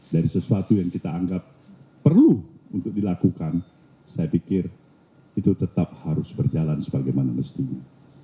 dari sesuatu yang kita anggap perlu untuk dilakukan saya pikir itu tetap harus berjalan sebagaimana mestinya